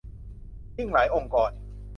ยิ่งหลายองค์กร